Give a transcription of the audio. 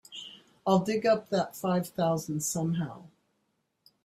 I'll dig up that five thousand somehow.